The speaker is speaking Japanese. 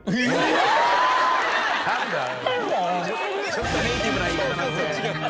ちょっとネイティブな言い方になって。